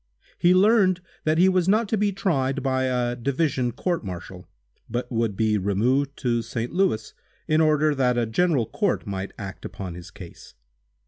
He learned that he was not to be tried by a division court martial, but would be removed to St. Louis, in order that a general court might act upon his case.